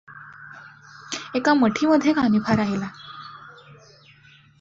एका मठीमध्यें कानिफा राहिला.